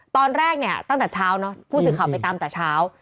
ตอนแรกเนี่ยตั้งแต่เช้าเนอะผู้สื่อข่าวไปตามแต่เช้า